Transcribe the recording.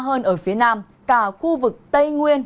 trong mưa rông cả khu vực tây nguyên